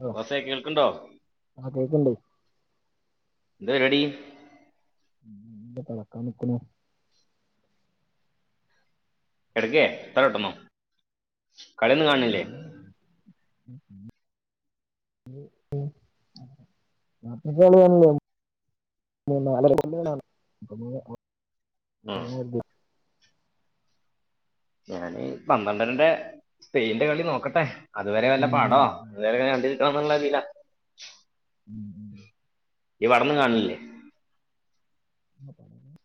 Hello ബോസേ കേൾക്കുണ്ടോ? ആ കേൾക്കുണ്ട്. എന്താ പരുപാടി? കിടക്കാൻ നിക്കുന്നു. കിടക്കേ ഇത്ര പെട്ടന്നോ? [unintelligible] ഉം [unintelligible] ഞാന്പന്ത്രണ്ടരന്റെ സ്പെയിന്റെ കളി നോക്കട്ടെ. അതുവരെ വല്ല പാടവോ അ കണ്ടു ഇരിക്കണമെന്നുള്ള ഇതിലാ ഉം ഉം നീ പടം ഒന്നു കാണുന്നില്ലേ? [unintelligible]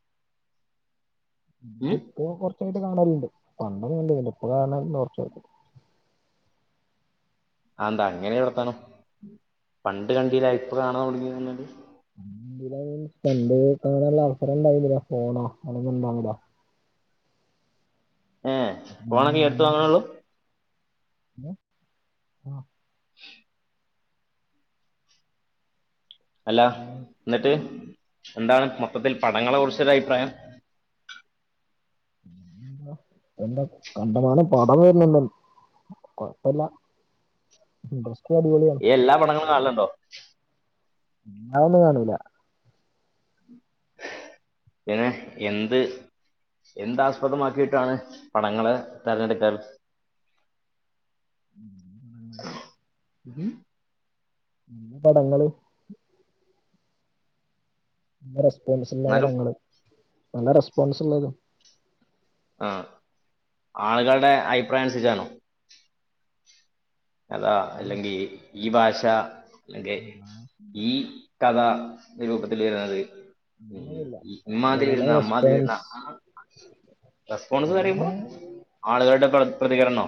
ഉം ഇപ്പോ കുറച്ചായിട്ട് കാണുണ്ട് [unintelligible] കാണല് കുറച്ചായി. ആ എന്താ അങ്ങനെ ഒരു വർത്താനം? പണ്ട് കണ്ടില്ല ഇപ്പൊ കാണാൻ തുടങ്ങി [unintelligible] ഏ ഫോണും ഫോണൊക്കെ ഈ അടുത്ത് വാങ്ങണള്ളൂ ഹലോ അല്ല എന്താ എന്നിട്ട് എന്താണ് മൊത്തത്തിൽ പടങ്ങളെ കുറിച്ചൊരു അഭിപ്രായം എന്ത കണ്ടമാനം പടം വരുന്നുണ്ടെന്ന് കൊഴപ്പില്ല ഇൻട്രെസ്റ്റി അടിപൊളി ഈ എല്ലാ പടങ്ങളും കാണലുണ്ടോ അതൊന്നും ഒന്നും കാണൂല പിന്നെ എന്ത് എന്താസ്പദമാക്കിയിട്ടാണ് പടങ്ങള് തിരഞ്ഞെടുക്കൽ [inaudible] നല്ല ഉം ഉം പടങ്ങളും നല്ല റെസ്പോൺസുള്ള പടങ്ങള് നല്ല റെസ്പോൺസുള്ളതും ആഹ് ആളുകളുടെ അഭിപ്രായം അനുസരിച്ചാണോ കഥ ആ, അല്ലെങ്കി ഈ ഭാഷ അല്ലെങ്കി അതാ ഈ കഥാ നിരൂപത്തിലെഴുതുന്നത് ഉം അങ്ങനൊന്നുല്ല ഇമ്മാതിരി ആളുകളുടെ ഒന്നും അമാതിരുന്നാ റെസ്പോൺസ് റെസ്പോൺസ് എന്ന് പിന്നെ പറയുമ്പോ ആളുകളുടെ പ്രതികരണോ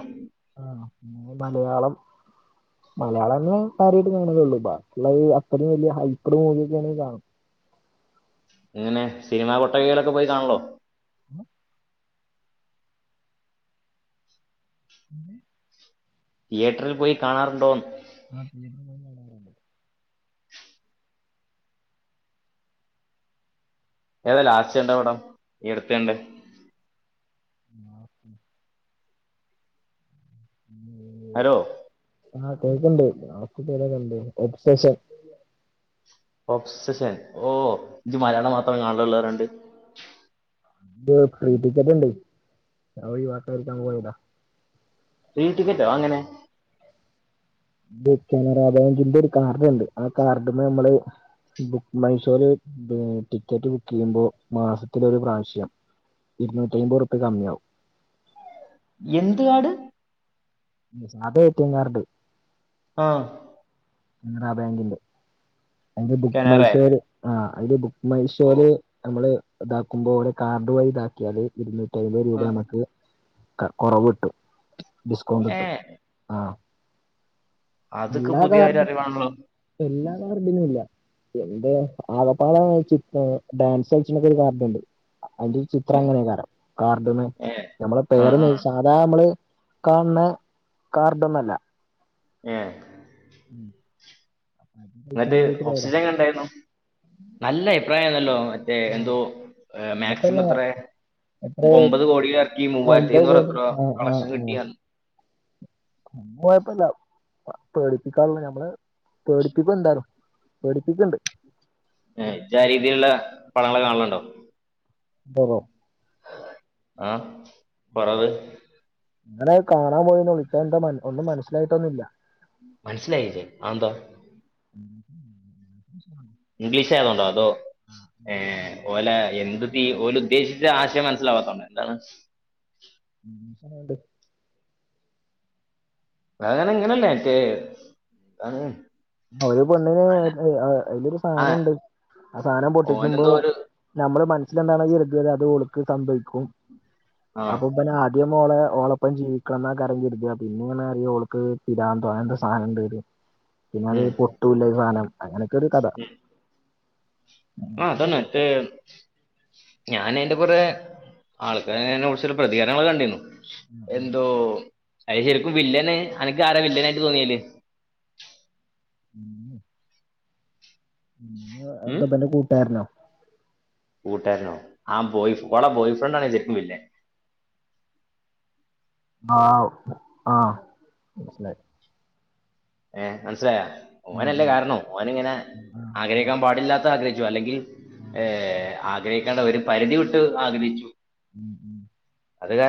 ആഹ് പിന്ന മലയാളം മലയാളം [unintelligible] അത്രയും വലിയ ഹൈപ്പഡ് മൂവിയ ഒക്കെ ആണെങ്കി കാണും ഇങ്ങനെ സിനിമാ കൊട്ടകേലൊക്കെ പോയി കാണല്ലോ തിയേറ്ററിൽ പോയി കാണാറുണ്ടോന്ന് ആഹ് തിയേറ്ററിൽ പോയ്‌ കാണാറുണ്ട് ഏതാ ലാസ്റ്റ് കണ്ട പടം ഏതൊക്കെയാ കണ്ടെ [unintelligible] ഹലോ ആ കേൾക്കണ്ട് [unintelligible] ഓബ്സേഷൻ [unintelligible] മലയാളം മാത്രം കാണണ പിള്ളേരുണ്ട് ഇത് ഫ്രീ ടിക്കറ്റുണ്ട് [unintelligible] ഫ്രീ ടിക്കറ്റോ അതെങ്ങനെ കാനറാ ബാങ്കിന്റെ ഒരു കാർഡ് ഉണ്ട് ആ കാർഡിന് നമ്മള് ബുക്ക് മൈസൂര് ടിക്കറ്റ് ബുക്ക് ചെയ്യുമ്പോൾ മാസത്തിലൊരു പ്രാവശ്യ ഇരുന്നൂറ്റി അയ്മ്പത്റുപ്യ കമ്മിയാവും എന്ത്‌ കാർഡ് അതാ ഏ റ്റി യം കാർഡ് ആഹ് കനറ ബാങ്കിന്റെ എന്റെ ബു കാനറ മൈസൂർ ആ അതില് ബുക്ക് ഓ മൈഷോല് നമ്മള് ഇതാക്കുമ്പോ അവിടെ കാർഡ് വഴി ഇതാക്കിയാല് ഇന്ന് ഏഴു രൂപ ആ. നിനക്ക് കുറവ് കിട്ടും ഡിസ്കൗണ്ട് ഏ കിട്ടും ആഹ് അതൊക്കെ പുതിയ ഒരു അറിവാണല്ലോ? എല്ലാരും [unintelligible] എന്റെ ആകപ്പാടെ [unintelligible] ഒരു കാർടുണ്ട് അതില് ഏ ചിത്രം [unintelligible] കാർഡിന് ഏ, നമ്മുടെ ആ പേരൊന്നും ആ അയച്ച് സാധാ നമ്മള് കാണണ കാർഡൊന്നുമല്ല ഏഹ് ഉം എന്നിട്ട് ഓക്സിജൻ കണ്ടായിരുന്നോ നല്ല അഭിപ്രായണല്ലോ മറ്റേ ആഹ് എന്തോ കുഴപ്പല്ല മാക്സിമം അത്രെ എത്ര ഒമ്പത് കോടിയിലർക്കി മുവായിരത്തി ഒമ്പത് എയ്നൂറ് കോടി എത്രോ ആഹ് കളക്ഷൻ കിട്ടി കുഴപ്പില്ല. പേടിപ്പിക്കാറുള്ള ഞമ്മള് പേടിപികൂ ന്താലും. പേടിപ്പിക്ക്ണ്ട്. ഏഹ് ഇജ് അരീതിയിലുള്ള പടങ്ങൾ കാണലുണ്ടോ? [unintelligible] അഹ്. ഹമ് അങ്ങനെ കാണാൻ പോയിന്നെ ഉള്ളു പക്ഷെ എന്താ ഒന്നും മനസ്സിലായിട്ടൊന്നുല്ല. മനസ്സിലായില്ലേ? അത് ന്താ [inaudible] ഇംഗ്ലീഷ് ആയതുകൊണ്ടോ? അതോ ഏഹ ഓലെ എന്ത്? ഓല് ഉദ്ദേശിച്ച ആശയം മനസിലവാത്തോണ്ട് എന്താണ്? [inaudible] അതായത് അങനെ എല്ല റ്റേ ആ ഒരു പെണ്ണിന് ഉഹ് അതിലൊരു ആ സാധനുണ്ട് ആ സാധനം പൊട്ടിച്ചുമ്പോ ഓനെന്തോ ഒരു നമ്മുടെ മനസിൽ എന്താണോ കരുതിയത് അത് ഒളുക്ക് സംഭവിക്കും ആ അപ്പൊ തിഓളെ ഓളൊപ്പം ജീവിക്ക എന്ന കരം കരുതിയ പിന്നെങ്ങനെ ഓൾക്ക് പിരാന്ത് അങ്ങനെന്തൊരു സാധനണ്ടര്. പിന്നെ അത് ഉം പൊട്ടൂല്ല സാനം അങ്ങനെയൊക്കെ ഒരു കഥ. ഉം ആ അതാനെ മറ്റേ ഞാൻ അയിന്റെ കുറെ ആൾക്കാരെ അയിന്റെ കുറിച് പ്രതികരണങ്ങൾ കണ്ടിരുന്നു. എന്തോ അ ശരിക്കും വില്ലൻ അനക്ക് ആരാ വില്ലനായിട്ട് തോന്നിയല്? ഉം. ഉം എന്താ പിന്നെ കൂട്ടരാനോ? കൂട്ടാരനോ ആ ബോയ് ഓളെ ബോയ് ഫ്രണ്ട് ആണ് ശരിക്കും വില്ലൻ. ആ ആഹ് മനസിലായി. ഏഹ് മനസ്സിലായോ? ഓനല്ലേ കരാണോ ഓൻ ഇങ്ങനെ ആ, ആ, ആഗ്രഹിക്കാൻ പാടില്ലാത്ത ആഗ്രഹിച്ചു. അല്ലെങ്കിൽ ആ, ആ, ഉം, ഏഹ് ആഗ്രഹിക്കണ്ട ഒരു പരിധി വിട്ട് ആഗ്രഹിച്ചു. ഉം ഉം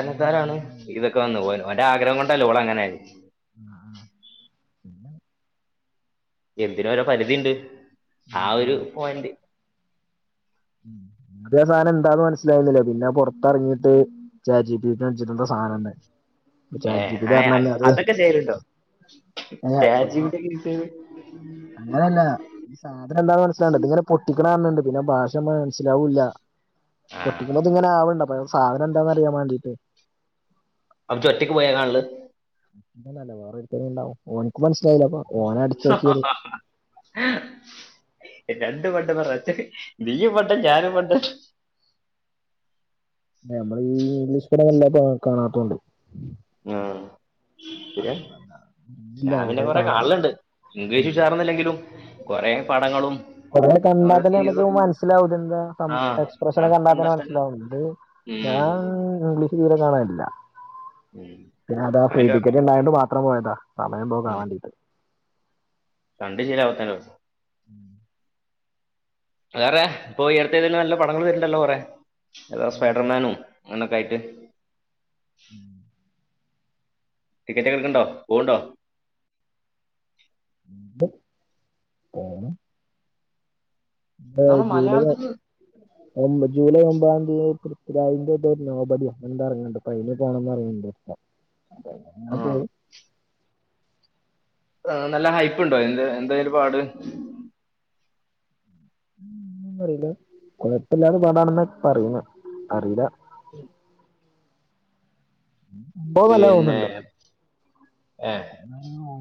[inaudible] വന്ന് ഓൻ ഓന്റെ ആഗഹം കൊണ്ടല്ലോ ഓള് അങ്ങന അയ് അഹ് അഹ് എന്തിനോ ഒരോ പരിധിയുണ്ട്. ഉം, ആ ഉം, ഒരു പോയിന്റ്. ആദ്യ സാധനം എന്താന്ന് മനസ്സിലായിരുന്നില്ലേ പിന്നെ പുറത്തറങ്ങീട്ട് ചാറ്റ് ജി പി ടി അടിച്ചിട് എന്തോ സാന എന്ന്. ഏ ആ അതൊക്കെ ചെയ്ലണ്ടോ? ചാറ്റ് ജി പി ടി യൊക്കെ യൂസ് ചെയ്ത്. അങ്ങനെയല്ല? സാധനം എന്താണ്ന്ന് മനസ്സിലാവുന്നുണ്ട്. ഇതിങ്ങനെ പൊട്ടിക്കണ കാണുന്നുണ്ട്. പിന്നെ ഭാഷ മനസ്സിലാവൂല്ല. ആ പൊട്ടിക്കുമ്പോ ഇങ്ങനെ ആവണ്ട് അപ്പ സാധനം എന്താന്ന് അറിയാൻ വേണ്ടീട്ട് അപ്ജു ഒറ്റയ്ക്ക് പോയ കാൺല്. അങ്ങനെല വേറെരുത്തനു ഉണ്ടാവും. ഒനികും മനസ്സിലായില്ല. അപ്പൊ ഓനെ അടിച്ചു നോക്കിയത് [unintelligible] ഹ രണ്ടും മണ്ടന്മാർ ഒറ്റക് നീയും മണ്ടൻ ഞാനും മണ്ടൻ. നമ്മൾ ഈ ഇംഗ്ലീഷ് പടം വല്ലാതെ കാണാതോണ്ട് ആഹ് പിന്നെ ഇല്ല ഞാമ്പിന്നെ അതുകൊണ്ടായി കൊറെ കാണില്ല കാണല്ണ്ട് ഇംഗ്ലീഷ് ഉഷാറൊന്നല്ലെങ്കിലും കുറേ പടങ്ങളും കുറെ കണ്ടാ ഓരോ അതന്നെ നമക്ക് സീരീസും മനസ്സിലാവും. ഇത് എന്താ ആ എക്സ്പ്രഷനക്ക അതൊക്കെ കണ്ടാത്തന്നെ കണ്ടെത്തല് മനസ്സിലാവു ഇത് ഞാ... ഉം ഇംഗ്ലി തീരേ കാണരില്ല. ഉം പിന്നെ അതാ ഫ്രീ അതിന്റെ കുഴപ്പം ടിക്കറ്റ് ഉണ്ടായണ്ട് മാത്രം പോയതാ. സമയം പോകാൻ വണ്ടിയിട്ട്. രണ്ട് ചിര [unintelligible] ഉം വേറെ പ്പൊ ഈയടുത്ത ഏതേലും നല്ല പടങ്ങൾ വരുണ്ടല്ലോ കൊറെ ഏതാ സ്പൈഡർമാനും ങ്ങനെക്കായ്ട്ട്. ഉം ടിക്കറ്റൊക്കെ ട്ക്ണ്ടോ പോവ്ണ്ടോ ഓണം അ നമ്മുടെ ജൂലൈ മലയാളത്തിൽ [unintelligible] ജൂലൈ ഒമ്പതാന്തി പൃഥ്വിരാജ്ന്റെ ന്തോര് നോബടിയ എന്തോ എറങ്ങ്ണ്ട് പ്പയിന് പോണംന്ന് പറയിണ്ട് അപ്പോങ്ങെനെ ആ ങ്ങള് പോകും നല്ല ഹൈപ്പ്ണ്ടോ എന്ത് എന്തായിന്റെ പാട് [unintelligible] കൊയപ്പില്ലാത പടാണെന്ന പറയുന്നെ അറീലാ എം സംഭവം നല്ലതാ തോന്നുന്നുണ്ട് പിന്നേം ഏഹ്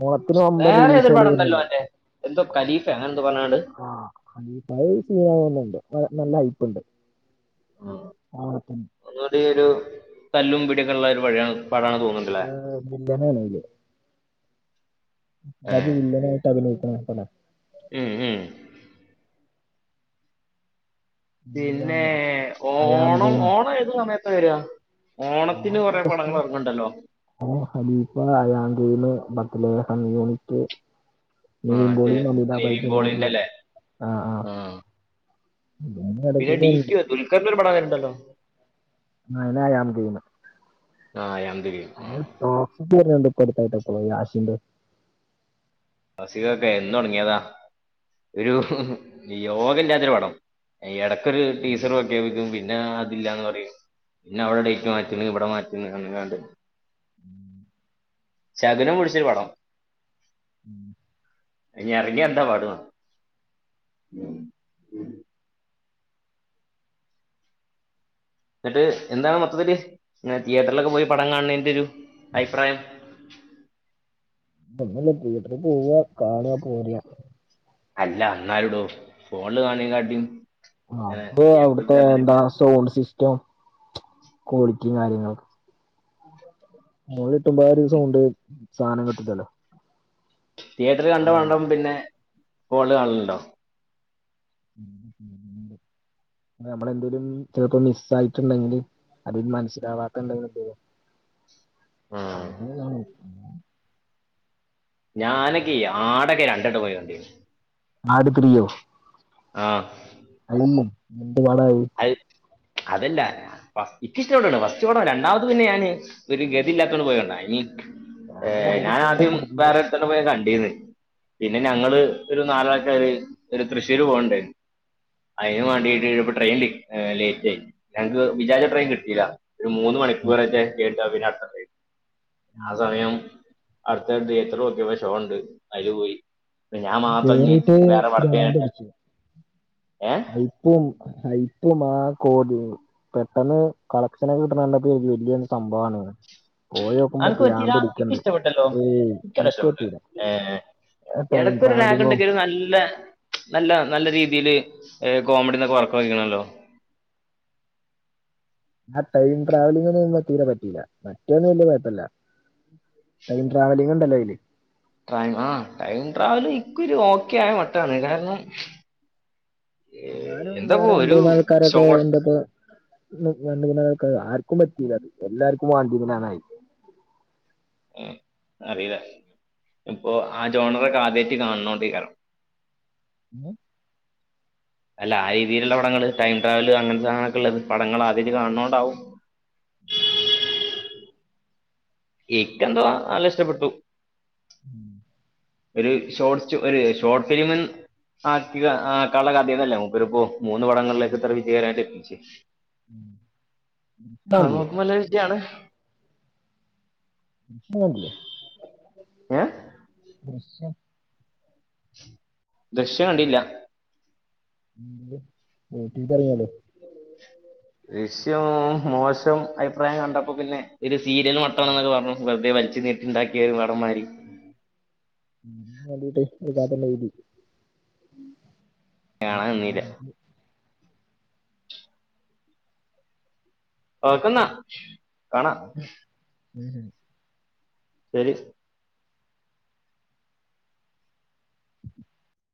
ഓണത്തിന് വമ്പൻ വേറെതോരു റിലീസുകൾ വരുന്നുണ്ടല്ലോ പടണ്ടല്ലോന്റെ എന്തോ കലീ താൻന്തോ പർഞ്ഞാണ്ട് അലിപായി സീനാവുന്ന്ണ്ട് പടം നല്ല ഹൈപ്പ്ണ്ട് ഓണത്തിൻ ഒന്നൂടിയൊരു തല്ലും പിടീയൊക്കെള്ളൊരു പഴ്യാ പടാന്ന് തോന്ന്ണ്ടല്ലെ [unintelligible] ഏ വില്ലനായിട്ട് അഭിനയിക്ന പടാണ് മ്മ് മ്മ് പിന്നെ അയാം ഓണം ഗെയിം ഓണം ഏത് സമയത്താ വരാ ഓണത്തിന് കൊറെ ഓഗസ്റ്റ് പടങ്ങള് എറങ്ങ്ണ്ടല്ലോ ഖലീഫ അയാംഗെയിം ബത്തിലേഹം യൂണിറ്റ് ആ നിവിൻ മറ്റേ പൊളീം മമിതാ നിവിൻ ബൈജു പോളിന്റെ [unintelligible] അല്ലേ ആഹ് ആഹ് ആ പിന്നെ ഡിക്യു ദുൽക്കറ്ന്റൊരു പടം വര്ണ്ടല്ലോ [unintelligible] ആഹ് അയാം ദ ഗെയിം ടോക്സിക് വര്ണ്ട് ഇപ്പടുത്തായിട്ട് യാഷിന്റെ അസീവൊക്കെ എന്നൊടങ്ങീയതാ ഒരു യോഗല്ല്യാത്തൊരുപടം എഹ് എടക്കൊര് ടീസർ പ്രഖ്യാപിക്കും പിൻ പിന്നാതില്ലാന്ന് പറയും പിന്നെ അവിടെ ഡേറ്റ് മാറ്റുന്ന് ഇവിടെ മാറ്റുന്ന് ഉം ശകുനം പുടിച്ചൊരു പടം ഇനി എറങ്ങിയാ എന്താ പാട് [inaudible] ന്നിട്ട് എന്താണ് മൊത്തത്ത്ല് ങ്ങനെ തിയേറ്ററിലൊക്കെ പോയി പടം കാണ്ണേന്റൊരു അയ്പ്രായം ദൊന്നുല്ല തീയേറ്ററി പോവ്വാ കാണ്യാ പോര്യാ അല്ല ന്നാലുടോ ഫോണില് കാൺണേംകാട്ടിം ആഹ് അപ്പോ അവ്ട്ത്തെ എന്താ സോണ്ട് സിസ്റ്റോം കോളിറ്റിം കാര്യങ്ങള് [unintelligible] സാനം കിട്ടുലല്ലോ തീയേറ്റർല് കണ്ട പണ്ഡം പിന്നെ ഫോൺല് കാൺല്ണ്ടോ നമ്മളെന്തേലും ചെലപ്പോ മിസ്സായിട്ടുണ്ടെങ്കില് അതില് മനസ്സിലാവാത്തത്ണ്ടെങ്കിങ്ങക്ക് ഉം. അങ്ങനൊക്കെയാണ് ഞാനൊകെയ് ആടെക്കെ രണ്ടോട്ടം പോയി കണ്ടിന് ആട് ത്രീയൊ ആഹ് [inaudible] അഹ് അതല്ല ഫസ്റ്റ് ക്കിഷ്ടപ്പെട്ടുട്ടോ ഫസ്റ്റ്പടം രണ്ടാമത്തത് പിന്നെ ഞാന് ഒരു ഗതീല്ലാത്തോണ്ട് പോയി കണ്ടയാനി ഏഹ് അതില് ഞാൻ കേറി ആദ്യം കുടുങ്ങി വേറെ [unintelligible] പോയ് കണ്ടീന്ന് പിന്നെ ഞങ്ങള് ഒരു നാലാൾക്കാര് ഒരു തൃശ്ശൂര് പോകണ്ടേ അയിന് ഉം വേണ്ടിട്ട് ഇ ട്രെയിൻല് ഏഹ് ലേറ്റ് ആയി ഞങ്ങക്ക് വിചാരിച്ച ട്രെയിൻ കിട്ടീല്ല ഒരു മൂന്ന് മണിക്കറേറ്റെ എ [unintelligible] ഉം ആ സമയം അടുത്ത തിയേറ്ററോക്കിയപ്പോ ഷോണ്ട് അയില് പോയി. ഞാൻ മാത്രം ഞ്ഞ് കേറിട്ട് വേറെ വർക്കീഞിട്ട് ഏ അപ്പും അയപ്പും ആ കോടിം പെട്ടെന്ന് കളക്ഷനൊക്കെ കിട്ട്ണണ്ടപ്പോ വലിയൊരു സംഭവാണ്ന്ന് അനക്ക് പറ്റീല ഇക്കിഷ്ട പെട്ടല്ലോ ഏയ് ഇക്കല്ല എനിക്ക് ഇഷ്ടപ്പെട്ടു പറ്റൂല ഏ ആ ടൈം എടക്കൊരു ട്രാവലിങ്ങും ലഗുണ്ടെങ്കിലും നല്ല നല്ല നല്ല രീതിയില് ഏ കോമഡിന്നൊക്കെ വർക്കായിക്ക്ണല്ലോ. ആ ടൈം ട്രാവലിംഗൊന്നും തീരെ പറ്റീല മറ്റേത് വല്ല്യ കൊഴപ്പല്ല. ടൈം ട്രാവലിങ്ങ്ണ്ടല്ലോ അയില് ടൈ ആഹ് ടൈം ട്രാവല് ഇക്കൊരു ഓക്കേയമട്ടാണ് കാരണം ഞാനും എന്താപ്പോ വേറെ ഒരു രണ്ട്മൂന്നാൾക്കാരൊക്കെ ഷോർട്ട് ണ്ടിട്ട് [unintelligible] ആർക്കും പറ്റിയില്ല അത് എല്ലാർക്കും വാണ്ടീന്നിലാന്നായ് ഉം അറീല്ല ഇപ്പൊ ആ ജോണറൊക്കെ ആദ്യായീറ്റ് കാണണോണ്ടെയ്കാരം. [inaudible] അല്ല ആ രീതിയിലുള്ള പടങ്ങള് ടൈം ട്രാവല് അങ്ങനത്തെ സാനൊക്കെ ഉള്ള പടങ്ങൾ ആദ്യായിട്ട് കാണ് ണോണ്ടാവും [inaudible] ഇക്കെന്തോ നല്ലഷ്ടപ്പെട്ടു. ഉം ഒരു ഷോർട്ട്സ് ഒരു ഷോർട്ട് ഫിലിമ് ആക്കിക ആക്കള്ളകഥന്നല്ല മൂപ്പരിപ്പോ മൂന്ന് പടങ്ങളിലേക്ക്ത്ര വിജയകരായിട്ട് എത്തിച്ച് കണ്ടില്ലേ അലോട്ട്മെൻ്റ് വൈറ്റെയാണ്. ഏഹ് [unintelligible] ദൃശ്യം കണ്ടില്ല. [unintelligible] ദൃശ്യം മോശം അയ്പ്രായം കണ്ടപ്പോ പിന്നെ ഒര് സീര്യല് മട്ടാണന്നൊക്കെ പർഞ്ഞു വെറ്തെ വൽച്ച് നീട്ടിണ്ടാക്യയ ഒരു വടന്മാരി. കണ്ടിട്ട് ഒരു കാണാൻ നിന്നില്ല [unintelligible] ഓക്കെന്നാ കാണാം. ഉം ഉം. ശെരി. [inaudible]